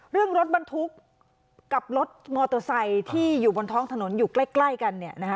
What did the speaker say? เรื่องรถบรรทุกกับรถมอเตอร์ไซค์ที่อยู่บนท้องถนนอยู่ใกล้กัน